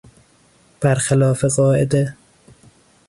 برخلاف قاعده